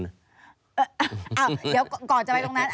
เดี๋ยวก่อนจะไปตรงนั้น